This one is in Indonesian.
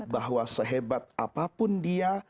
bahwa sehebat apapun dia